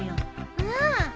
うん。